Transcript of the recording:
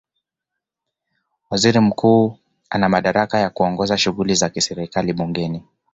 Waziri Mkuu ana madaraka ya kuongoza shughuli za serikali bungeni